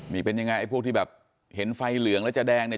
นี่เป็นยังไงไอ้พวกที่แบบเห็นไฟเหลืองแล้วจะแดงเนี่ย